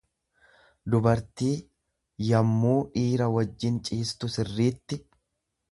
dúbartii yammuu dhiira wajjin ciistu sirriitti.